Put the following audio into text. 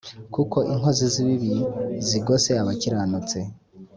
kuko inkozi z’ibibi zigose abakiranutsi